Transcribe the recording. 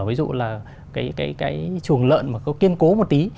ví dụ là cái chuồng lợn mà có kiên cố một tí